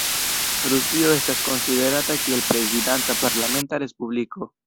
Rusio estas konsiderata kiel prezidenta-parlamenta respubliko.